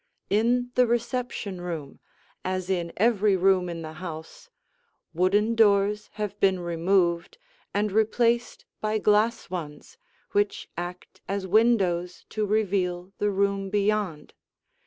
In the reception room, as in every room in the house, wooden doors have been removed and replaced by glass ones which act as windows to reveal the room beyond.